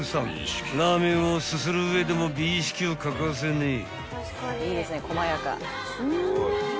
［ラーメンをすする上でも美意識を欠かせねえ］